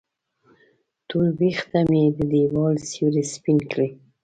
تور وېښته مې د دیوال سیورې سپین کړي